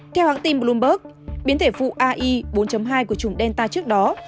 theo hãng tin bloomberg biến thể phụ ai bốn hai của chủng delta trước đó